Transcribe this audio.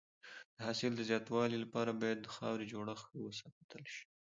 د حاصل د زیاتوالي لپاره باید د خاورې جوړښت ښه وساتل شي.